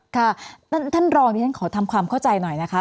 ค่ะท่านรองดิฉันขอทำความเข้าใจหน่อยนะคะ